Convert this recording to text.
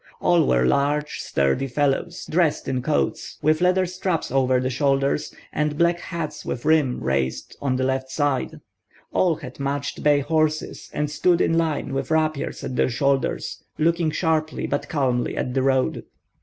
All were large, sturdy fellows, dressed in coats, with leather straps over the shoulders, and black hats with rim raised on the left side; all had matched bay horses, and stood in line with rapiers at their shoulders, looking sharply, but calmly, at the road.